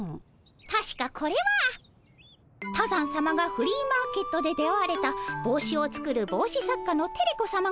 たしかこれは多山さまがフリーマーケットで出会われたぼうしを作るぼうし作家のテレ子さまが作られたおぼうしで。